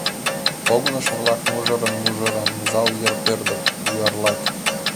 Погынышо-влак мужырын-мужырын зал йыр пӧрдыт, юарлат.